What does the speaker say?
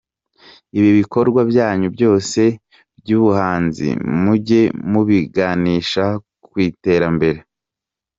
Ibi bikorwa byanyu byose by’ubuhanzi mujye mubiganisha ku iterambere".